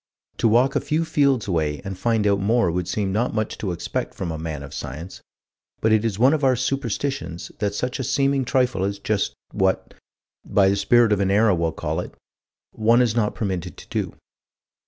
To walk a few fields away and find out more would seem not much to expect from a man of science, but it is one of our superstitions, that such a seeming trifle is just what by the Spirit of an Era, we'll call it one is not permitted to do.